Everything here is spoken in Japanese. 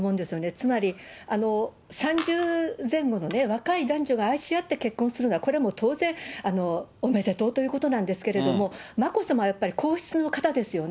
つまり３０前後の若い男女が愛し合って結婚する、これは当然、おめでとうということなんですけれども、眞子さまはやっぱり皇室の方ですよね。